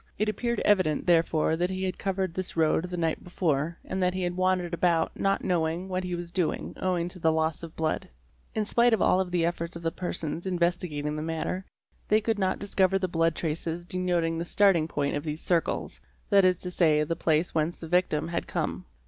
It appeared evident therefore that he had covered this road the night before and that he had wandered about not knowing what he was doing owing to the loss of blood®®. In spite of all the efforts of the persons investi gating the matter they could not discover the blood traces denoting the starting point of these circles, that is to say, the place whence the victim had come.